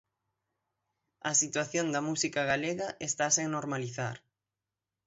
A situación da música galega está sen normalizar.